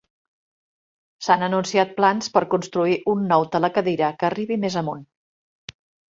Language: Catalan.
S'han anunciat plans per construir un nou telecadira que arribi més amunt.